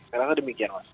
sekarang demikian mas